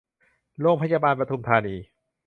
โรงพยาบาลปทุมธานี